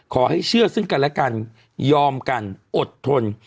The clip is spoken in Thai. เชื่อซึ่งกันและกันยอมกันอดทน